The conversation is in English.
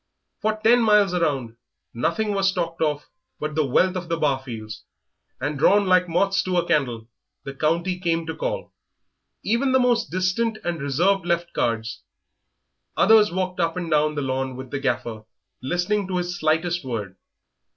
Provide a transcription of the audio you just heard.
For ten miles around nothing was talked of but the wealth of the Barfields, and, drawn like moths to a candle, the county came to call; even the most distant and reserved left cards, others walked up and down the lawn with the Gaffer, listening to his slightest word.